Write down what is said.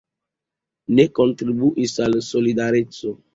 Ne kontribuis al Solidareco.